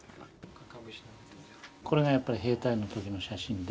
これがやっぱり兵隊の時の写真で。